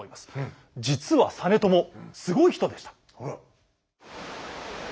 実は実朝すごい人でした。